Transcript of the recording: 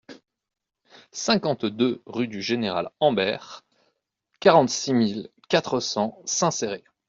cinquante-deux rue du Général Ambert, quarante-six mille quatre cents Saint-Céré